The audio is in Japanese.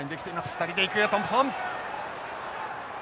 ２人で行くトンプソン！